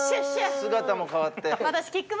姿も変わって。